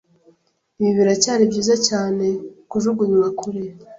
Ibi biracyari byiza cyane kujugunywa kure.